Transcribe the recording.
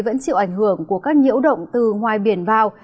vẫn chịu ảnh hưởng của các nhiễu động từ ngoài biển vào